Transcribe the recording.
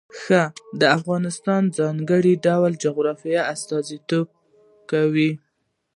ښتې د افغانستان د ځانګړي ډول جغرافیه استازیتوب کوي.